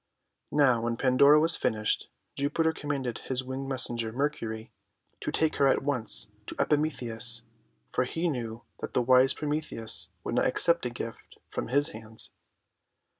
Now when Pandora was finished, Jupiter com manded his winged messenger, Mercury, to take her at once to Epimetheus, for he knew that the wise Prometheus would not accept a gift from his hands.